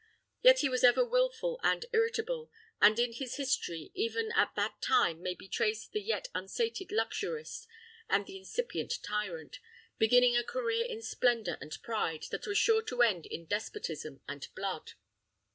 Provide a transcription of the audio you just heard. Yet he was ever wilful and irritable, and in his history even at that time may be traced the yet unsated luxurist, and the incipient tyrant, beginning a career in splendour and pride that was sure to end in despotism and blood.